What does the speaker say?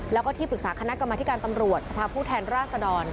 แล้วก็ที่ปรึกษาคณะกรรมธิการตำรวจสภาพผู้แทนราชดร